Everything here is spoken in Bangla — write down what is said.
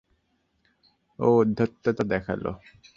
ও উদ্ধততা দেখালো।